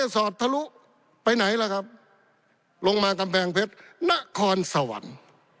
สอดทะลุไปไหนล่ะครับลงมากำแพงเพชรนครสวรรค์